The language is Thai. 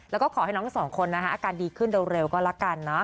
แล้วก็ขอให้น้องทั้งสองคนอาการดีขึ้นเร็วก็ละกันนะ